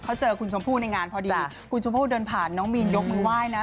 เขาเจอคุณชมพู่ในงานพอดีคุณชมพู่เดินผ่านน้องมีนยกมือไหว้นะ